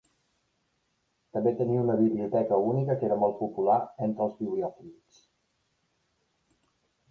També tenia una biblioteca única que era molt popular entre els bibliòfils.